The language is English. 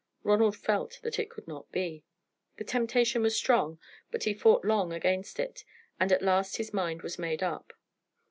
Ronald felt that it could not be. The temptation was strong, but he fought long against it, and at last his mind was made up.